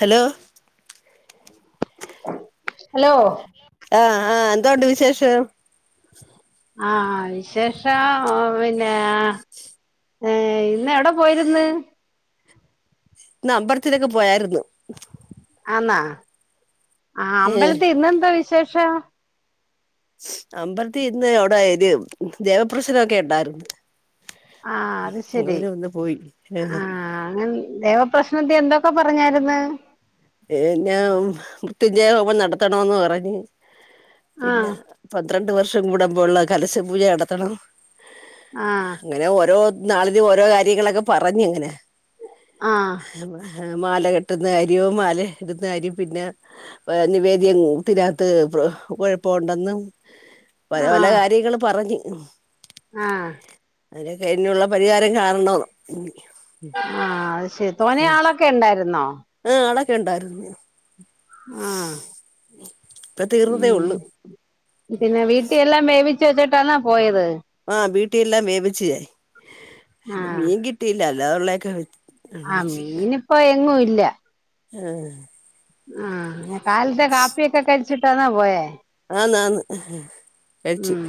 Hello hello ആഹ് ആഹ് എന്തോണ്ട് വിശേഷം ആഹ വിശേഷം ഒ പിന്നെ അഹ് ഏഹ് ഇന്ന് എവിടെ പോയിര്ന്ന് ഇന്ന് അമ്പലത്തിലൊക്കെ പോയായിരുന്നു. ആന്നാ ആ ഏഹ് അമ്പലത്തി ഇന്നെന്താ വിശേഷം അമ്പലത്തി ഇന്ന് അവിടെ എ ദേവപ്രശ്നംക്കെ ഉണ്ടായിരുന്നു ആഹ അത് ശരി അങ്ങനെ ഒന്ന് പോയി ആഹ അങ്ങനെ ദേവ പ്രശ്നത്തി എന്തൊക്കെ പറഞ്ഞായിന്ന് എന്നാ മൃത്യുഞ്ജയ ഹോമം നടത്തണോന്ന് പറഞ്ഞ് പിന്നെ ആഹ് പന്ത്രണ്ട് വർഷം കൂടമ്പോള്ള കലശ പൂജ നടത്തണം ആഹ് അങ്ങനെ ഓരോ [unintelligible] ഓരോ കാര്യങ്ങളൊക്കെ പറഞ്ഞങ്ങനെ ആഹ് മാല കെട്ടുന്ന കാര്യോം മാല ഇടുന്ന കാര്യോം പിന്നെ നിവേദ്യം തിനകത്ത് കുഴപ്പമുണ്ടെന്നും പല പല ആഹ് കാര്യങ്ങും പറഞ്ഞു ആഹ് [unintelligible] പരിഹാരം കാരണ ഇനി ആഹ അത് ശരി തോന ആളൊക്കെ ഉണ്ടായിരുന്നോ ആഹ് ആളെക്കണ്ടായിരുന്നു ആഹ് ഇപ്പൊ തീർന്നതേ ഉള്ളു ഉം പിന്നെ വീട്ടിയെല്ലാം വേവിച്ച് വെച്ചിട്ടാനാ പോയത് ആഹ വീട്ടിലെല്ലാം വേവിച് ആഹ് മീൻ കിട്ടിയില്ല അല്ലാത ഉള്ളൊക്കെ ആഹ് മീന് ഇപ്പോ എങ്ങും ഇല്ല ആഹ് ആഹ് കാൽത്തെ കാപ്പിയൊക്കെ കഴിച്ചിട്ടാണോ പോയേ ആന്ന് ആന്ന് കഴിച്ചു ഉം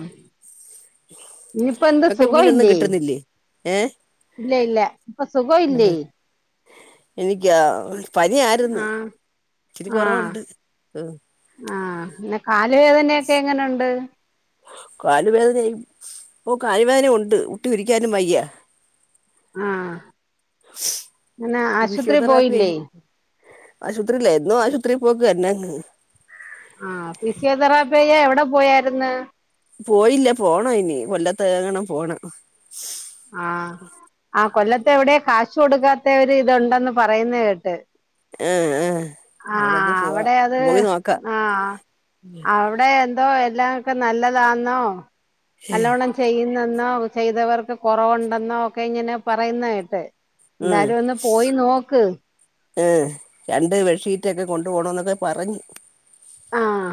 ഇനിയിപ്പ ന്ത്‌ ഇങ്ങക്ക് സുഖോ മീനൊന്നും ഇല്ലേ കിട്ടുന്നില്ലേ ഏ ഇല്ല ഇല്ല ഇപ്പൊ സുഖം ഇല്ലേ എനിക്കാ പനിയാർന്ന് ആഹ് ഇച്ചിരി കുറവുണ്ട് ഉം ആഹ പിന്നെ കാല് വേദനൊക്കെ എങ്ങനുണ്ട് കാലുവേദന ഓഹ് കാലുവേദന ഉണ്ട് മുട്ട് ഇരിക്കാനും വയ്യ ആഹ് [unintelligible] ആശുപത്രി പോയില്ലേ ആശുപത്രിയില്ല എന്നും ആശുപത്രി പോക്കനെന്ന് ആഹ് ഫിസിയോതെറാപ്പിയ്യാൻ എവിടെ പോയാരിന്ന് പോയില്ല പോണം ഇനി കൊല്ലത്തങ്ങണം പോണം ആഹ ആ കൊല്ലത്തെ എവിടെയ കാശു കൊടുക്കാത്തവര് ഇത്ണ്ടെന്ന് പറയുന്ന കേട്ട് ഉം ഉം ആഹ് അവിടെ അത് ആഹ് അവിടെ എ [unintelligible] എല്ലാക്കെ നല്ലതാന്നോ നല്ലവണം ചെയ്യുന്നെന്നോ ചെയ്തവർക്ക് കുറവുണ്ടെന്നോ ഒക്കെ ഇങ്ങനെ പറയുന്ന കേട്ട് ഉം എന്തായാലും ഒന്ന് പോയി നോക്ക് [unintelligible] രണ്ട് ബെഡ്ഷീറ്റൊക്കെ കൊണ്ടു പോണന്നൊക്കെ പറഞ്ഞു ആഹാ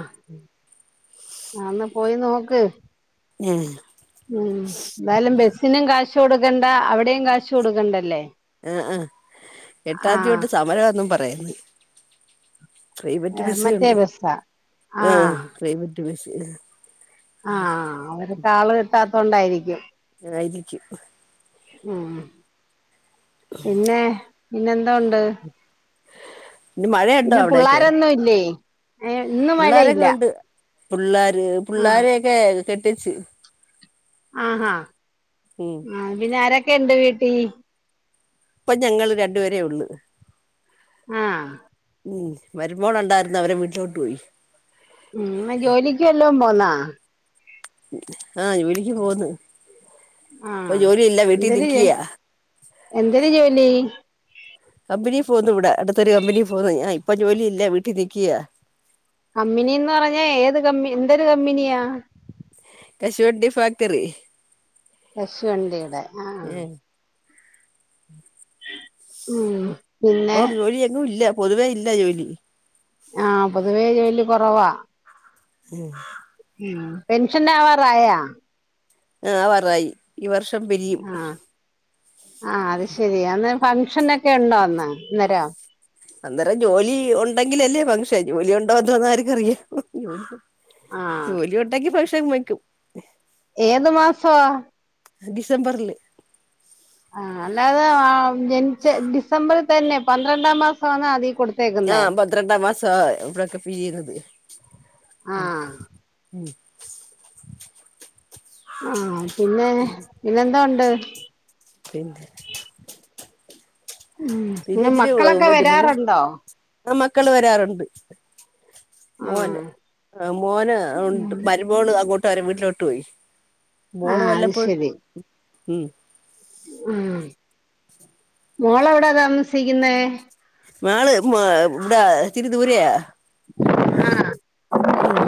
ഒന്ന് പോയി നോക്ക് ഉം ഉം എന്തായാലും ബസിനും കാശ് കൊടുക്കണ്ട അവിടെയും കാശ് കൊടുക്കണ്ടല്ലേ ആ ആ എട്ടാം ആഹ് തിയതിതൊട്ട് സമരം ആന്നും പറയുന്നു പ്രൈവറ്റ് മറ്റേ ബസ്സാണ് ബസ്സാ ആഹ് പ്രൈവറ്റ് ബസ് ആഹ അവര്കാള് കിട്ടാത്തോണ്ടായിരിക്കും ആയിരിക്കും ഉം പിന്നെ പിന്നെ ന്തോ ഉണ്ട് ഇന്ന് മഴയുണ്ടോ പിന്നെ അവിടെയൊക്കെ പുള്ളാരൊന്നും ഇല്ലേ ഇന്നു മഴയില്ല പുള്ളാര് ആഹ് പുള്ളാരെയൊക്കെ കെട്ടിച് ആഹാ ആ പിന്നെ ആരൊക്കെ ഉണ്ട് വീട്ടിൽ ഇപ്പം ഞങ്ങള് രണ്ടുപേരേ ഉള്ളു ആഹ് ഉം മരുമോൾ ഉണ്ടായിരുന്നു അവരെ വീട്ടിലോട്ട് പോയി ഉം ജോലിക്ക് വല്ലോം പോന്നാ ആഹ ജോലിക്ക് പോന്ന് ഇപ്പൊ ആഹ് ജോലിയില്ല വീട്ടിൽ എന്തൊരു നിക്കിയാ എന്തൊരു ജോലി കമ്പനി ഫോകുന്ന് ഇവിടെ അടുത്തൊരു കമ്പനി ഫോന്നു ഞാ ഇപ്പൊ ജോലി ഇല്ല വീട്ടിൽ ഇരിക്ക്യാ കമ്പിനിയന്ന് പറഞ്ഞാ ഏത് കമ്പ എന്തൊരു കമ്പനിയാ കശുവണ്ടി ഫാക്ടറി കശുവണ്ടിയുടെ ആഹ് ഏഹ് മ്ഹ് ഇപ്പം ജോലി എങ്ങും ഇല്ല പൊതുവേ ഇല്ല ജോലി ആ പൊതുവേ ജോലി കുറവാ ആഹ് ആ പെൻഷൻ ആവാറായാ ആഹ് ആവറായി ഈ വർഷം പിരിയും ആഹ് അത് ശരി അന്ന് ഫംഗ്ഷനൊക്കെ ഉണ്ടോ അന്ന് അന്നേരം അന്നേരം ജോലി ഉണ്ടെങ്കിലല്ലേ ഫംഗ്ഷൻ ജോലി ഉണ്ടോ എന്തോ എന്ന് ആർക്കറിയ ആ ജോലി ഒണ്ടെങ്കി ഫങ്ഷൻ വയ്ക്കും ഏത് മാസാ ഡിസംബർല് ആ അല്ലാതെ ആ ജനിച്ച ഡിസംബറിൽ തന്നെ പന്ത്രണ്ടാം മാസം ആണ് അതി കൊടു ആഹ് പന്ത്രണ്ടാ മാസാ ഇവിടെക്കെ പിരിയുന്നത് ആ ഉം ആഹ് പിന്നെ പിന്നെന്താ ഉണ്ട് പിന്നെ ഉം പിന്നെ മക്കളൊക്കെ വരാറുണ്ടോ ആ മക്കള് വരാറുണ്ട് ആ മോന് ആ മോന് ഉണ്ട് ഉം. മരുമോൾ അങ്ങോട്ട് അവരെ വീട്ടിലോട്ട് പോയി ആ മോൾ അത് വല്ലപ്പോയും ശരി ഉം ഉം മോളെവിടെ താമസിക്കുന്നെ മാൾ ഉം വ്ട ഇത്തിരി ദൂരയാ ആഹ് ഉം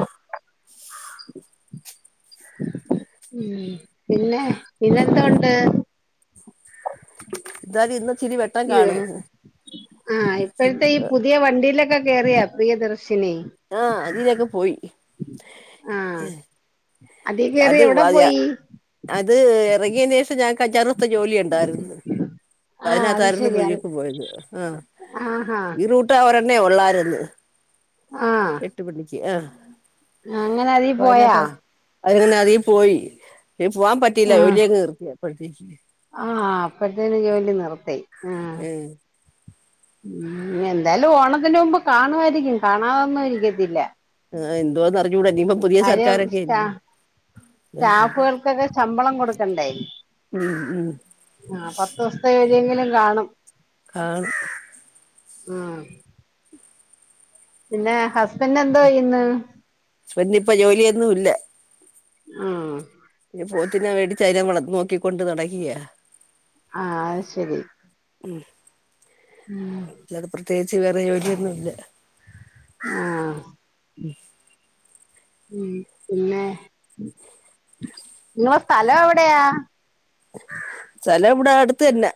ഉം പിന്നെ പിന്നെ എന്തൊണ്ട് എന്നാലും ഇന്ന് ഇച്ചിരി വെ [unintelligible] ആ ഇപ്പൊഴത്തെ ഈ പു പുതിയ വണ്ടിയിലൊക്കെ കേയറിയാ പ്രിയദർശിനി ആ അതിലൊക്കെ പോയി അതി കേറി അത് എവ്ടെ പോയി അത് ഇറങ്ങിയന് ശേഷം ഞങ്ങക്ക് അഞ്ചാറുസ്തെ ജോലി ഉണ്ടായിരുന്നു പ്പം ആഹ് അത് അതിനകത്തായിരുന്നു ശരിയാ പുഴൂക്ക് പോയത് ആ ആഹാ ഈ റൂ ട്ട് അവർന്നെ ഒള്ളാരുന്ന് എട്ട് മണിക്ക് ആ അങ്ങനവാടി പോയാ അത് പിന്നെ അതീ പോയി പോവാൻ പറ്റീല്ല ആഹ് ഒലിയങ്ങ് നിർത്തി അപ്പോഴ്ത്തേക്ക് ആഹ് അപ്പഴത്തേനും ജോലി നിർത്തി ആഹ് ഉം ഉം എന്തായാലും ഓണത്തിന്റെ മുമ്പ് കാണുവായിരിക്കും കാണാതൊന്നും ഇരിക്കത്തില്ല ആ എന്തോന്ന് അറിഞ്ഞുകൂടാ ഇനിയിപ്പൊ പുതിയ കാര്യം സർക്കാരൊക്കെ സ്റ്റാ അല്ലെ സ്റ്റാഫുകൾക്കൊക്കെ ശമ്പളം കൊടുക്കണ്ടെ ഉം ഉം ആ പത്ത് സ് പ്പ ഏതെങ്കിലും കാണും ആഹ് ആഹ് പിന്നെ ഹസ്ബൻഡ് എന്തോയ്യ്ന്ന് സ്ബൻഡ് ഇപ്പോ ജോലിയൊന്നും ഇല്ല ആഹ് രു പോത്തിനേ മേടിച്ച് അയ്നെ വളത് നോക്കിക്കൊണ്ട് നടക്കിയാ ആഹ് അത് ശരി ഉം ഉം ല്ലാതെ പ്രത്യേകിച്ച് വേറെ യോലിയൊന്നു ഇല്ല ആഹ് ഉം പിന്നെ നിങ്ങള സ്ഥലം എവിടെയാ സ്ഥലം ഇവിടെ അടുത്ത് തന്നെ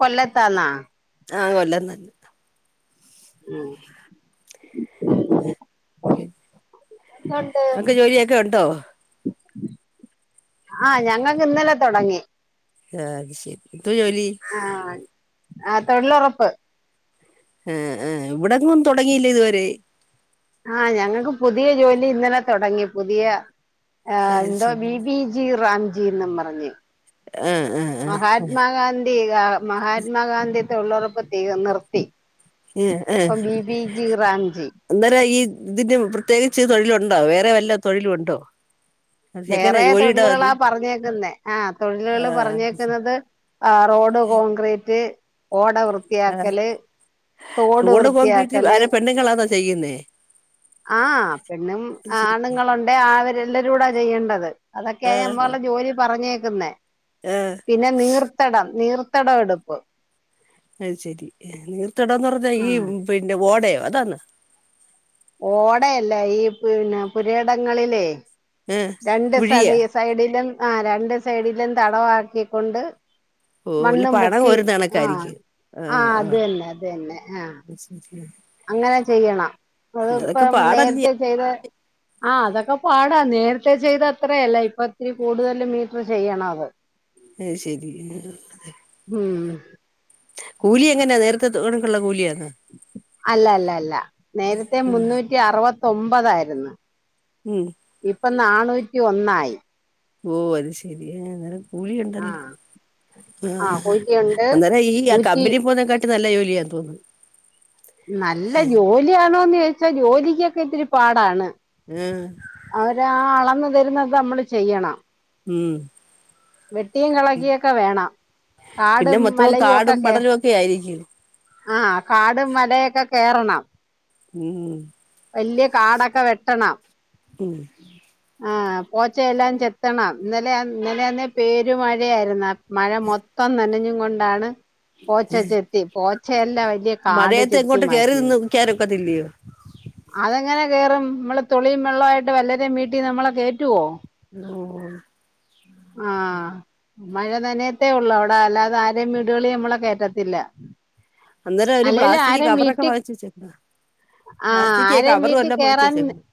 കൊല്ലത്താന്നാ ആഹ് കൊല്ലം തന്നെ ഉം [unintelligible] [inaudible] നിങ്ങക്ക് ജോലിയൊക്കെ ഉണ്ടോ ആഹ് ഞങ്ങൾക്ക് ഇന്നലെ തൊടങ്ങി അത്‌ ശെരി എന്തുവാ ജോലി ആഹ് ആ തൊഴിലൊറപ്പ് അ് അ് ഇവിടെങ്ങും തൊടങ്ങിയില്ല ഇതുവരെ ആഹ് ഞങ്ങക്ക് പുതിയ ജോലി ഇന്നലെ തൊടങ്ങി. പുതിയ ആഹ് അത് എന്തോ ശരി ബി ബി ജി റാംജി ന്നും പറഞ്ഞ് ആഹ് ആഹ് ആഹ് മഹാത്മാഗാന്ധി ആ മഹാത്മാഗാന്ധി തൊഴിലുറപ്പ് തീർ നിർത്തി അ് ഇപ്പം എഹ് ബി ബി ജി റാംജി അന്നേരം ഈ ഇതിന് പ്രത്യേകിച്ച് തൊഴിലുണ്ടോ? വേറെ വല്ല തൊഴിലു ഉണ്ടോ? വേറെ തൊഴിലുകളാ പറഞ്ഞേക്കുന്നെ, ആഹ് തൊഴിലുകള് ആഹ് പറഞ്ഞേക്കുന്നത് ആഹ് റോഡ് കോൺക്രീറ്റ് ഓട വൃത്തിയാക്കല് തോട് വൃത്തിയാക്കല് നിങ്ങള് ചെയ്യുന്നേ ആ പെണ്ണും അണുങ്ങളുണ്ടേ ആവരെല്ലരൂടാ ചെയ്യണ്ടത് അതൊക്കെയ ആഹ് നമ്മളെ ജോലി പറഞ്ഞേക്കുന്നേ പിന്നെ നീർ ത്തടം നീർത്തടം എടുപ്പ് അത്ശെരി. നീർത്തടം എന്ന് പറഞ്ഞാ ഈ ഉം പിന്നെ ഓടയോ അതാന്നോ ഓടയല്ല ഈ പിന്നെ പുരയിടങ്ങളിലേ ഏഹ് രണ്ട് കുഴിയാ സൈഡി സൈഡിലും ആ രണ്ട് സൈഡിലും തടം ആക്കിക്കൊണ്ട് ഓ വല്ല മണ്ണും പണം പൊക്കി കോരുന്ന ആഹ് കണക്കായിരിക്കും ആഹ് അത് തന്നെ അത് തന്നെ ആഹ് [unintelligible] അങ്ങനെ ചെയ്യണം അതൊക്കെ അതിപ്പം പാടല്ല്യ നേരത്തെ ചെയ്ത് ആ അതൊക്കെ പാടാ നേരത്തെ ചെയ്ത അത്രയല്ല ഇപ്പം ഇത്തിരി കൂടുതല് മീറ്റർ ചെയ്യണം അത് [unintelligible] അത് ശെരി ഹ്ഉം കൂലി എങ്ങനാ നേരത്തെ തൊട്ക്ക്ള്ള കൂലിയാണോ അല്ല അല്ല അല്ല നേരത്തെ മുന്നൂറ്റി അറുവത്തൊമ്പതായിര്ന്ന് ഉം ഇപ്പം നാണൂറ്റി ഒന്നായി ഓ അത് ശരിയ അന്നേരം കൂലി ആ ഉണ്ടല്ലേ ആ ആഹ കോഴിക്കയുണ്ട് അന്നേരം ഈ നൂറ്റി കബിനി പോവുന്നേ ത് നല്ല ജോലിയാ തോന്നുന്നു നല്ല ജോലിയാണോന്ന് ചോദിച്ചാ ജോലിക്കൊക്കെ ഇത്തിരി പാടാണ്. ഉം അ [unintelligible] തരുന്നത് നമ്മള് ചെയ്യണം ഉം വെട്ടിയും കളക്കിയൊക്കെ വേണം പിന്നെ കാടും മൊത്തം മലയും കാടും ഒക്കൊക്കെ പടലും ഒക്കെ ആയിരിക്കും ആഹ് കാടും മലയൊക്കെ കേയറണം ഉം വല്ലിയ കാടൊക്കെ വെട്ടണം ഉം ആഹ് പോച്ചയെല്ലാം ചെത്തണം ഇന്നലെ ഇന്നലെന്ന പേരു മഴയായിരുന്ന മഴ മൊത്തം നനഞ്ഞും കൊണ്ടാണ് പോച്ച ചെത്തി പോച്ചയെല്ലാം വലിയ കാട് ചെത്തി മാറ്റിയത്. കേറൊക്കെത്തില്ലയോ [inaudible] അതെങ്ങനെ കേറും നമ്മള് തുളിയും വെള്ളവും ആയിട്ട് വല്ലരും വീട്ടി നമ്മളെ കേറ്റുവോ ആഹ് [unintelligible] ആഹ് മഴ നനയത്തേ ഉള്ളു. അവിടെ അല്ലാതെ ആരെയ വീടുകളി നമ്മളെ കേറ്റത്തില്ല അന്നേം ഒരു പ്ലാസ്റ്റിക് കവറക്ക വാങ്ങിച്ച വെച്ചേട്ടാ ആഹ് ആര വീട്ടിൽ വാങ്ങിച്ച് കേറാൻ വെച്ചേക്കണ്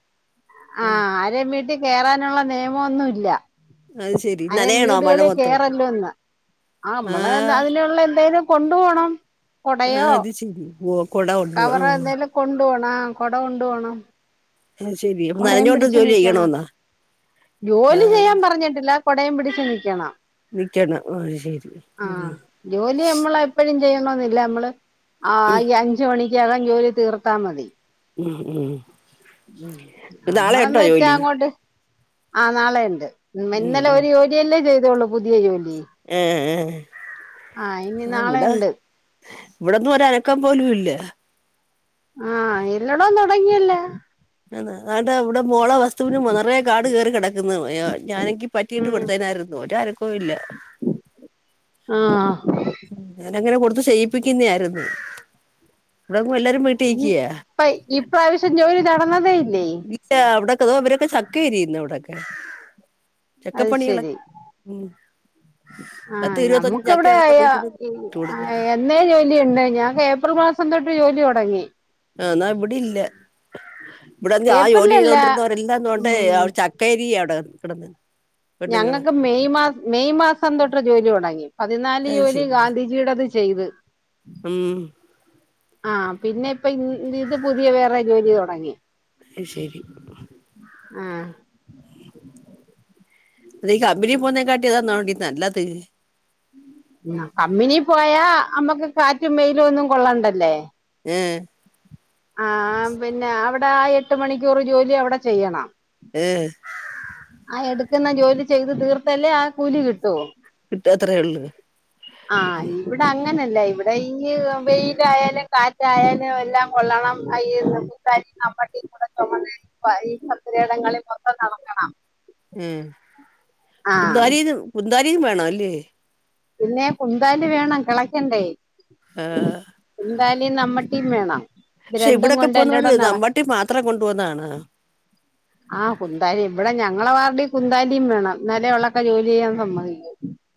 ആഹ് ആരെയും വീട്ടിൽ കേറാനുള്ള നിയമം ഒന്നുമില്ല അത് ശെരി അരെ നനയണോ മഴ വീടുകളിൽ മൊത്തം കേറല്ലൂന്ന് ആ നമ്മള് എന്ത ആഹ് അതിനുള്ള എന്തേലും കൊണ്ടു പോണം ആഹ് കൊടയോ അത് ശരി ഓ കൊട കൊണ്ട് പോണോ കൊണ്ട് പോണം കൊട കൊണ്ടു പോണം അത് ശരി കൊടേം പിടിച്ചു നിക്കണം. ജോലി ചെയ്യാൻ പറഞ്ഞിട്ടില്ല കൊടയും പിടിച്ച് നിക്കണം നിക്കണം ആഹ് ശരി ആ ഉ ജോലി നമ്മൾ എപ്പോഴും ചെയ്യണെന്നില്ല. നമ്മള് ആ അഞ്ച മണി. [unintelligible] ജോലി തീർത്താൽ മതി ഉം ഉം ഉ നാളെ നമ്മളന്ന് ഉണ്ടോ വെച്ചാ ജോലി അങ്ങോട്ട് ആ നാളെ ഉണ്ട് ഉം ഇന്നലെ ഉം ഒരു ല്ലേ ചെയ്തേള്ളൂ പുതിയ ജോലി ഏഹ് ആ ഇനി ആഹ് ഇവിടാ നാളെയുണ്ട് ഇവിടന്നും ഒര അനക്കം പോലും ഇല്ല ആഹ് എല്ലോടും തുടങ്ങിയല്ലേ എന്നാ ദാണ്ടെ ഇവിടെ മോള വസ്തുവിനു നിറയെ കാട് കയറി കിടക്കുന്നു അയോ ഞാനെങ്കി പറ്റിയിട്ട് കൊടുത്തനായിരുന്നു ഒരു ആനക്കവും ഇല്ല ആഹ് ഞാനങ്ങനെ കൊടുത്ത് ചെയയിപ്പിക്കുന്ന ആരുന്നു ഇവിടെ എല്ലാരും വീട്ടിയിക്കയാ ഇപ്പയ് ഈപ്രാവശ്യം ജോലി നടന്നതേ ഇല്ലേ? ഇല്ല അവിടക്കെതോ അവരൊക്കെ ചക്ക അരിയുന്ന് അവിടെക്കെ അത് ചെക്കപ്പ് പണി അള ശരി ഉ [inaudible] ആഹ് ഞമ്മുക്കവിടെ ഓരോ വീട്ടിലും [unintelligible] ഇട്ട് കൊടുക്കുന്നു ഇന്നലെ ജോലിണ്ട് ഞങ്ങൾക്ക് ഏപ്രിൽ മാസം തൊട്ട് ജോലി തുടങ്ങി. ആഹ് എന്നാ ഇവിടെ ഇല്ല ഇവിടെന്ത ആ ജോലി ഏപ്രിലല്ല ചെയ്തോണ്ടിരുന്നവരെല്ലാംന്നൊണ്ടേ ഉം ച കരിയാ അവിടെ കടന്ന് ഞങ്ങൾക്ക് മെയ് മാസം മെയ് മാസം തൊട്ട് ജോലി തുടങ്ങി പതിനാല് അത് ജോലി ശരി ഗാന്ധിജി ജീടത് ചെയ്ത് ഉം ആഹ് പിന്നെ ഇപ്പൊ ഇ ഇത് പുതിയ വേറെ ജോലി തുടങ്ങി ശരി ആഹ് നീ കമ്പനി പോന്നേ കാട്ടിയതാന്നോണ്ടി നല്ലത് ഉ കമ്പിനി പോയാ അമ്മക്ക് കാറ്റും വെയിലും ഒന്നും കൊള്ളണ്ടല്ലേ ഏഹ് ആ പിന്നെ അവിടെ ആ എട്ട് മണിക്കൂർ ജോലി അവിടെ ചെയ്യണം ഏഹ് ആ എടുക്കുന്ന ജോലി ചെയ്ത് തീർത്തല്ലേ ആ കൂലി കിട്ടു കിട്ടത്രേ ഉള്ളൂ ആഹ ഇവിടെ അങ്ങനല്ല. ഇവിടെ ഈ വെയിലായാലും കാറ്റായാലും എല്ലാം കൊള്ളണം കയ്യീരുന്ന കുന്താലി നമ്മട്ടി കൂടെ ചുമന്ന് ഈ പുരയിടങ്ങളിൽ മൊത്തം നടക്കണം ഉം ആ പുന്താരി കുന്തരിയും വേണല്ലേ പിന്നെ കുന്താലി വേണം കിളക്കണ്ടെ? ആഹ് കുന്താലിം നമ്മട്ടിം വേണം ഇത് രണ്ടും കൊണ്ട് എല്ലെടോം നടക്ക ത്ര കൊണ്ട പോന്നതാണ് ആ കുന്താലി ഇവിടെ ഞങ്ങളെ വാർടി കുന്താലിയും വേണം ന്നാലെ അവളൊക്കെ ജോലി ചെയ്യാൻ സമ്മതിക്കു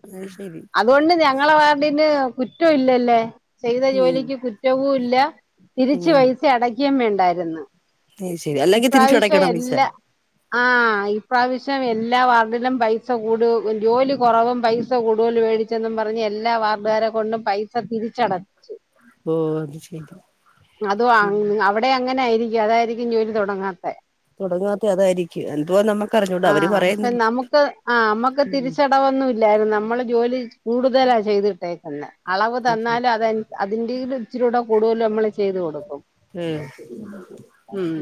അത് ശരി അതുകൊണ്ട് ഞങ്ങളെ വാർണ്ടീന് കുറ്റവും ഇല്ലല്ലേ ചെയ്ത ഉം ജോലിക്ക് കുറ്റവും ഇല്ല തിരിച്ച് ഉം വൈസ അടക്കിയേം വേണ്ടായിരുന്നു അത് ശരി അല്ലെങ്കിൽ ഇപ്രാവശ്യം തിരിച്ചടയ്ക്കണോ പൈസ എല്ലാ ആഹ് ഇപ്പാവശ്യം എല്ലാ വാർഡിലും പൈസ കൂട് ജോലി കുറവും പൈസ കൂട [inaudible] മേടിച്ചെന്നും പറഞ്ഞ് എല്ലാ വാർഡുകാരെ കൊണ്ടും പൈസ തിരിച്ചടപ്പച്ച് ഓ അത് ശരി ടെ അങ്ങനെ ആയിരിക്കും അതായിരിക്കും ജോലി തുടങ്ങാത്ത തുടങ്ങാത്തെ അതായിരിക്കും എന്തുവാ നമ്മുക്ക് അറിഞ്ഞൂടാ ആ അവര് പ്പ പറയുന്നില്ല നമുക്ക് ആ നമ്മക്ക് തിരിച്ചട കുറവൊന്നുംല്ലായിരുന്നു നമ്മള് ജോലി കൂടുതലാ ചെയ്തിട്ടേക്കുന്നെ അളവ് തന്നാലും അത് അതിന്റെലും ഇച്ചിരൂടെ കൂടുതലും നമ്മള് ചെയ്ത് കൊടുക്കും ഉം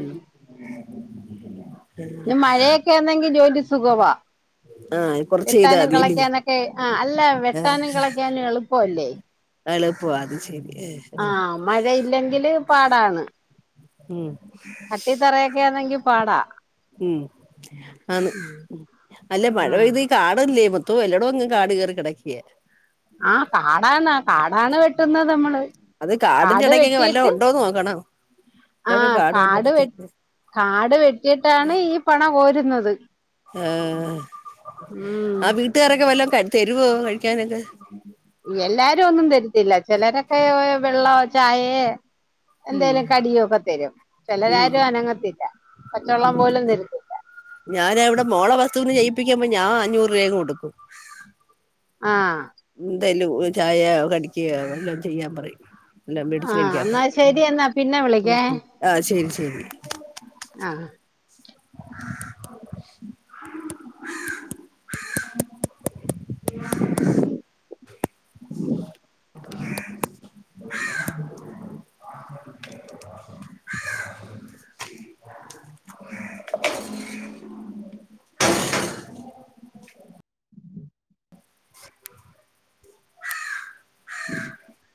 പിന്നെ [inaudible] ജോലി സുഖവാ. ആഹ് കൊറച്ച് ചെയ്താ വെട്ടാനും മതിയല്ലേ കെളക്കാനൊക്കെ അല്ല വെട്ടാനും കെളക്കാനും എളുപ്പവല്ലേ എളുപ്പ അത് ശരി ആ ഏഹ് മഴയില്ലെങ്കില് പാടാണ് ഉം കട്ടി തറയൊക്കൊന്നെങ്കി പാടാ ഉം ആന്ന് ഉം അല്ല മഴ ഉം പെയ്തി കാടല്ലേ മോത്തോ എല്ലോടും അങ്ങ് കാട് കയറി കിടക്കിയേ ആഹ കാടാണ് കാടാണ് വെട്ടുന്നത് നമ്മള് അത് കാടിന്റെ കാട് ഇടയ്ക്കക്കെ വല്ലോം ഉണ്ടോന്ന് നോക്കണം ഇതൊക്കെ ആഹ് കാടും അതിന്റെ കാട് വെ ഇടക്കൊക്കെ കാട് വെട്ടിയിട്ടാണ് ഈ പണ കോരുന്നത് ആഹ് ഉം ആ വീട്ടുകാരൊക്കെ വല്ലം തരുവോ കഴിക്കാനൊക്കെ എല്ലാരും ഒന്നും തരത്തില്ല ചിലരൊക്കെ വെള്ളോ ചായയ ഉം എന്തേലും കടിയും ഒക്കെ തരും. ഉം ചിലരാരും അനങ്ങത്തില്ല പച്ചെള്ളം പോലും തര ഞാൻ ഇവടെ മോളെ വസ്തുവിന് ചെയ്യിപ്പിക്കുമ്പോ ഞാ അഞ്ഞൂറ് രൂപ കൊടുക്കും ആഹ് എന്തായാലും ചായ കടിക്കുകയ വല്ലോം ചെയ്യാൻ പറയും മേടിച്ച് ആഹ് കഴിക്കാൻ എന്നാ ശരി എന്നാ പിന്നെ വിളിക്കേ പറയും ആഹ് ശരി ശരി ആഹ് [inaudible] [inaudible] ആ [unintelligible] [inaudible] [inaudible]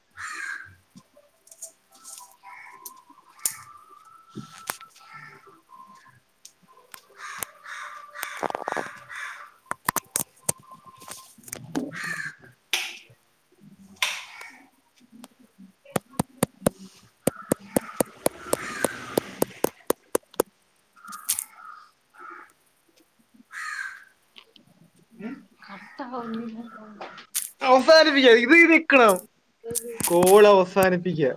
മ്മ് കാട്ടാവുന്നില്ല അവസാനിപ്പിക്ക ഇത് നിക്കണം കോള് അവസാനിപ്പിക്ക.